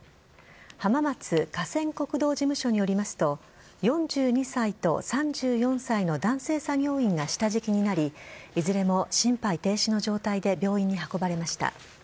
浜松河川国道事務所によりますと４２歳と３４歳の男性作業員が下敷きになりいずれも心肺停止の状態で病院に運ばれました。